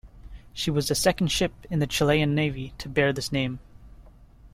She was the second ship in the Chilean Navy to bear this name.